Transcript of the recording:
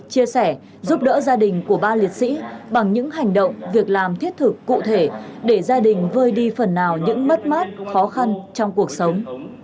chia sẻ giúp đỡ gia đình của ba liệt sĩ bằng những hành động việc làm thiết thực cụ thể để gia đình vơi đi phần nào những mất mát khó khăn trong cuộc sống